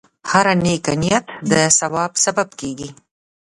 هره نیکه نیت د ثواب سبب کېږي.